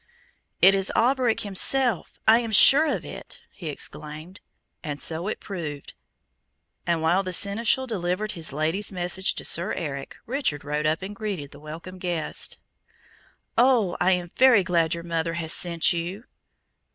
"It is Alberic himself, I am sure of it!" he exclaimed, and so it proved; and while the Seneschal delivered his Lady's message to Sir Eric, Richard rode up and greeted the welcome guest. "Oh, I am very glad your mother has sent you!"